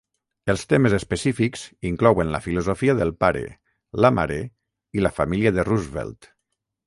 Els temes específics inclouen la filosofia del pare, la mare i la família de Roosevelt.